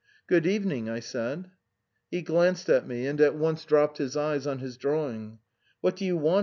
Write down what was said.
" Good evening, " I said. fie" glanced at me and at once cast his eyes down on his plan. ' What do you want